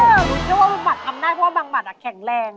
เออเรียกว่าลูกบาททำได้เพราะว่าบางบาทแข็งแรง